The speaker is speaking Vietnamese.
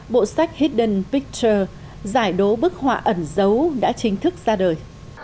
bộ sách hidden picture giải đố bức họa ẩn dấu đã chính thức ra đời